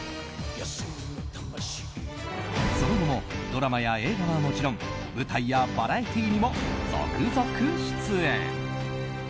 その後もドラマや映画はもちろん舞台やバラエティーにも続々出演。